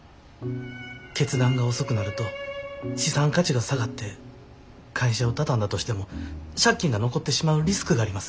決断が遅くなると資産価値が下がって会社を畳んだとしても借金が残ってしまうリスクがあります。